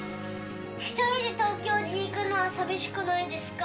１人で東京に行くのは寂しくないですか？